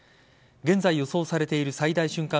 現在予想されている最大瞬間